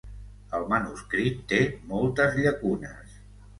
El manuscrit té moltes llacunes.